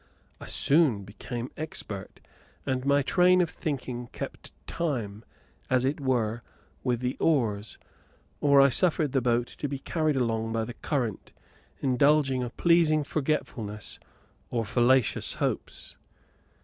I soon became expert, and my train of thinking kept time, as it were, with the oars, or I suffered the boat to be carried along by the current, indulging a pleasing forgetfulness or fallacious hopes.